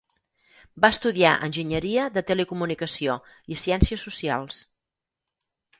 Va estudiar Enginyeria de Telecomunicació i Ciències Socials.